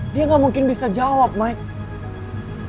dia nggak mungkin bisa jawab mike